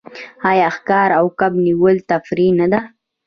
آیا ښکار او کب نیول تفریح نه ده؟